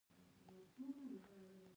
د تاریخي او لرغونو ځایونو ساتنه کیږي.